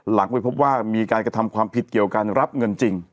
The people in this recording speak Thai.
หลังไปพบว่ามีการกระทำความผิดเกี่ยวการรับเงินจริง